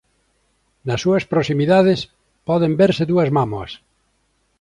Nas súas proximidades poden verse dúas mámoas.